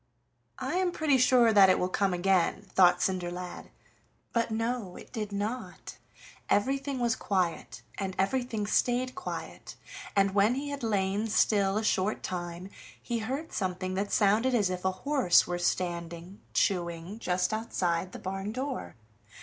"I am pretty sure that it will come again," thought Cinderlad; but no, it did not. Everything was quiet, and everything stayed quiet, and when he had lain still a short time he heard something that sounded as if a horse were standing chewing just outside the barn door.